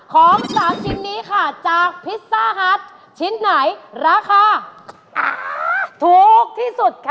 ของ๓ชิ้นนี้ค่ะจากพิซซ่าฮัทชิ้นไหนราคาถูกที่สุดค่ะ